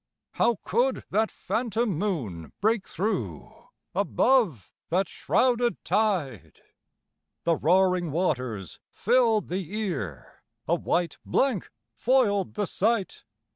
How could that phantom moon break through, Above that shrouded tide? The roaring waters filled the ear, A white blank foiled the sight.